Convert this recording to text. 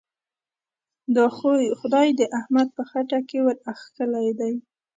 دا خوی؛ خدای د احمد په خټه کې ور اخښلی دی.